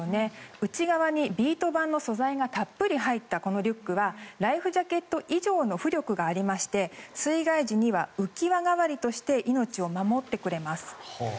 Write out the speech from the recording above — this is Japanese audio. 内側にビート板の素材がたっぷり入ったこのリュックはライフジャケット以上の浮力があって水害時には浮き輪代わりとして命を守ってくれます。